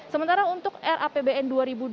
sementara untuk rapbn dua ribu dua puluh